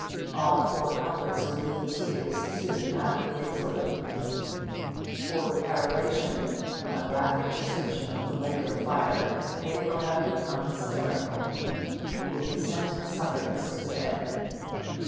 All four culprits will be in tears soon after the exordium. Before the peroration (a graphic description of the Lake of Fire) they will have become hysterical. They will be sent supperless to bed.